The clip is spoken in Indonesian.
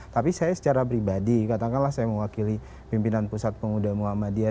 tapi saya secara pribadi katakanlah saya mewakili pimpinan pusat pemuda muhammadiyah